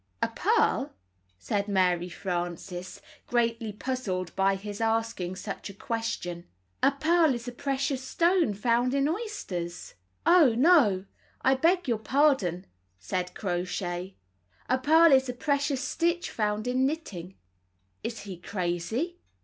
A pearl?" said Mary Frances, greatly puzzled by his asking such a question. "A pearl is a precious stone found in oysters." "Oh, no J I beg your pardon," said Crow Shay. "A purl is a precious stitch found in knitting." "Is he crazy?"